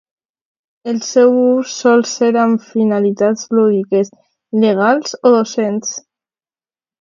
El seu ús sol ser amb finalitats lúdiques, il·legals o docents.